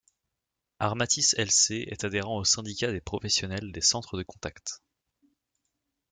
Armatis-lc est adhérent au Syndicat des professionnels des centres de contacts.